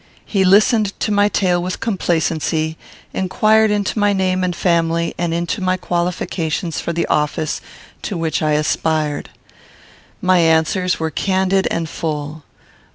He listened to my tale with complacency, inquired into my name and family, and into my qualifications for the office to which I aspired. My answers were candid and full.